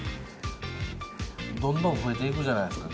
どんどん増えていくじゃないですか芸人さん。